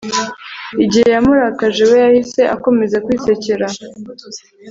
igihe yamurakaje, we yahise akomeza kwisekera